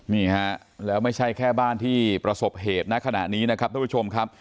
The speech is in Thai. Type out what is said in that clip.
แม้ไม่ใช่แค่บ้านที่ประสบเหตุขณะนี้นะครับพ่อผู้ชมครับ